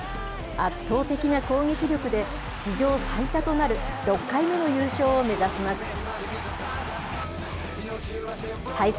圧倒的な攻撃力で、史上最多となる６回目の優勝を目指します。